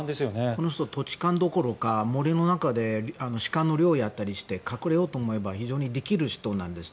この人、土地勘どころか森の中で鹿の猟をやっていたりして隠れようと思えばできる人なんです。